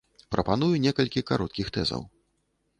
Прапаную некалькі кароткіх тэзаў.